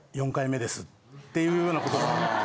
っていうような事があって。